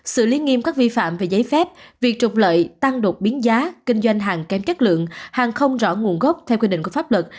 xử lý nghiêm các vi phạm về giấy phép việc trục lợi tăng đột biến giá kinh doanh hàng kém chất lượng hàng không rõ nguồn gốc theo quy định của pháp luật